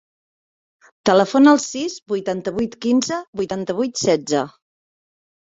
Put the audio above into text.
Telefona al sis, vuitanta-vuit, quinze, vuitanta-vuit, setze.